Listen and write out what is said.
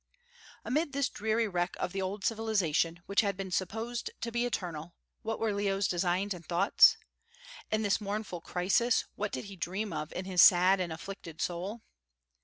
Amid this dreary wreck of the old civilization, which had been supposed to be eternal, what were Leo's designs and thoughts? In this mournful crisis, what did he dream of in his sad and afflicted soul?